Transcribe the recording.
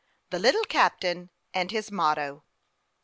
THE LITTLE CAPTAIN AND HIS MOTTO.